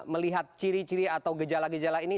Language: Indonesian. melihat ciri ciri atau gejala gejala ini